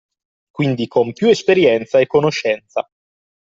Quindi con più esperienza e conoscenza.